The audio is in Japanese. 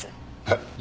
えっ！？